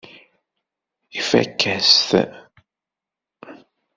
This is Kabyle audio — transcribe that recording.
Ifakk-as-t.